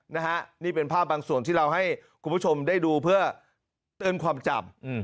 นะฮะนี่เป็นภาพบางส่วนที่เราให้คุณผู้ชมได้ดูเพื่อเตือนความจำ